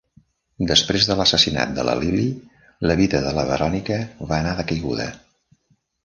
Després de l'assassinat de la Lilly, la vida de la Veronica va anar de caiguda.